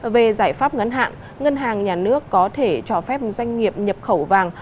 về giải pháp ngắn hạn ngân hàng nhà nước có thể cho phép doanh nghiệp nhập khẩu vàng